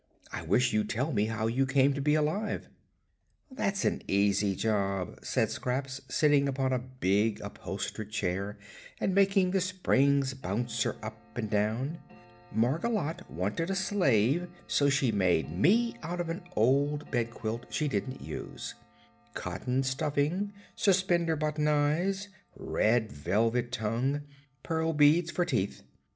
"I wish you'd tell me how you came to be alive." "That's an easy job," said Scraps, sitting upon a big upholstered chair and making the springs bounce her up and down. "Margolotte wanted a slave, so she made me out of an old bed quilt she didn't use. Cotton stuffing, suspender button eyes, red velvet tongue, pearl beads for teeth.